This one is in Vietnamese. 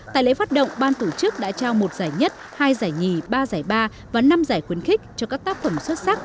tại lễ phát động ban tổ chức đã trao một giải nhất hai giải nhì ba giải ba và năm giải khuyến khích cho các tác phẩm xuất sắc